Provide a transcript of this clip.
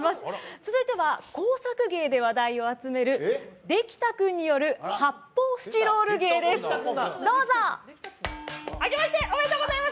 続いては工作芸で話題を集めるできたくんによる発泡スチロール芸です。